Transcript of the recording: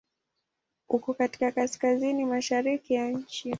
Uko katika Kaskazini mashariki ya nchi.